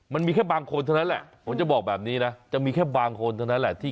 มันมีแค่บางคนเท่านั้นแหละผมจะบอกแบบนี้นะจะมีแค่บางคนเท่านั้นแหละที่